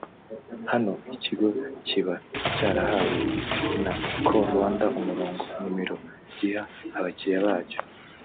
Hano ikigo kiba cyarahawe na Call Rwanda umurongo (nimero) giha abakiriya bacyo